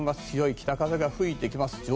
強い北風が吹いてきます。